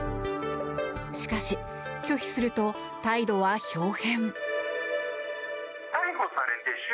しかし、拒否すると態度はひょう変。